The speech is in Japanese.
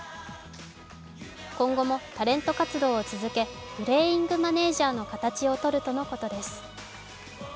今後もタレント活動を続けプレーイングマネージャーの形をとるとのことです。